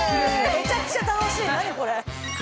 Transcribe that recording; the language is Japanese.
めちゃくちゃ楽しい、何これ。